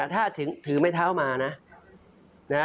ถ้าถือไม้เท้ามานะ